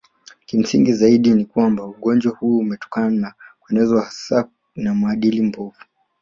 Kimsingi zaidi ni kwamba ugonjwa huo umetokana na kuenezwa hasa na maadili mabovu